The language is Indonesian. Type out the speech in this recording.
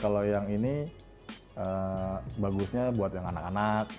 kalau yang ini bagusnya buat yang anak anak